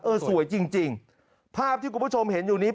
สวยจริงจริงภาพที่คุณผู้ชมเห็นอยู่นี้